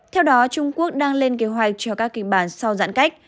theo đó trung quốc đang lên kế hoạch cho các kịch bản sau giãn cách